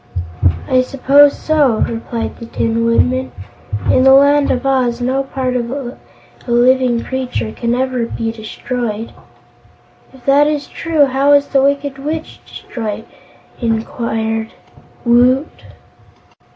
"I suppose so." replied the Tin Woodman. "In the Land of Oz no part of a living creature can ever be destroyed." "If that is true, how was that Wicked Witch destroyed?" inquired Woot.